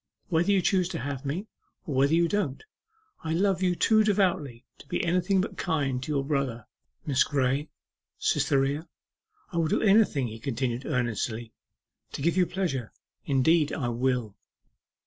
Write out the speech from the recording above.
Whether you choose to have me, or whether you don't, I love you too devotedly to be anything but kind to your brother.... Miss Graye, Cytherea, I will do anything,' he continued earnestly, 'to give you pleasure indeed I will.